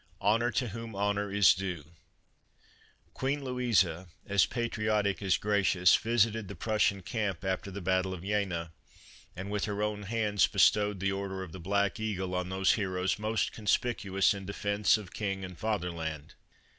— Honor to whom honor is due : Queen Louisa, as patriotic as gracious, visited the Prussian camp after the battle of Yena, and with her own hands bestowed the order of the Black Eagle on those heroes most conspicuous in defense of King and Fatherland.